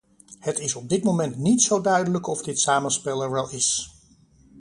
Het is op dit ogenblik niet zo duidelijk of dit samenspel er wel is.